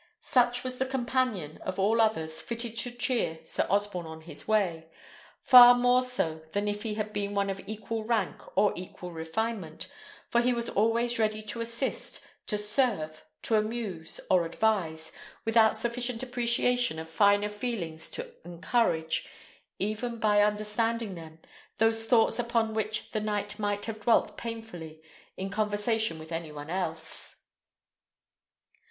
Such was the companion, of all others, fitted to cheer Sir Osborne on his way; far more so than if he had been one of equal rank or equal refinement, for he was always ready to assist, to serve, to amuse, or advise, without sufficient appreciation of finer feelings to encourage, even by understanding them, those thoughts upon which the knight might have dwelt painfully in conversation with any one else.